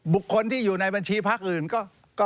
บุคคลที่อยู่ในบัญชีพักอื่นก็